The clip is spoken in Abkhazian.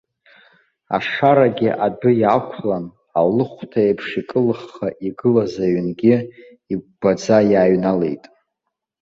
Ашарагьы адәы иаақәлан, алыхәҭа еиԥш икылыхха игылаз аҩнгьы игәгәаӡа иааҩналеит.